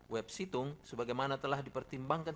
web situng sebagaimana telah dipertimbangkan